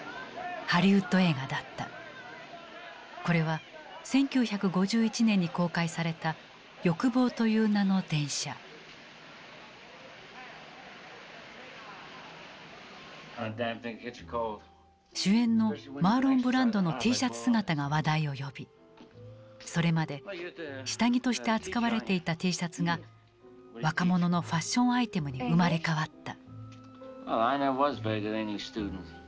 これは１９５１年に公開された主演のマーロン・ブランドのＴシャツ姿が話題を呼びそれまで下着として扱われていたＴシャツが若者のファッションアイテムに生まれ変わった。